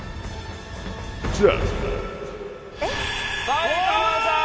才川さん！